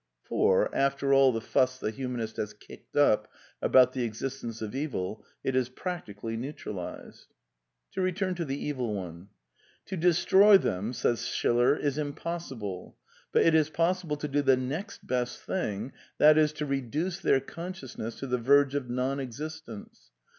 (For, after all the foss the humanist has kicked up about the existence of Evil^ it is ^^ practically neutralized "! To return to the Evil Ones :*' To destroy them is impossible. But it is possible to do the next best thing, viz., to reduce their consciousness to the verge of non existence.